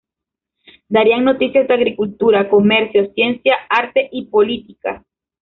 Darían noticias de agricultura, comercio, ciencia, arte y política.